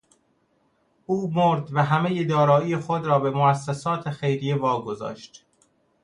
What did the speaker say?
او مرد وهمهی دارایی خود را به موسسات خیریه واگذاشت.